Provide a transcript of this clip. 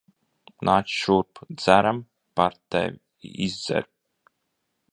Nāc šurp. Dzeram par tevi. Izdzer.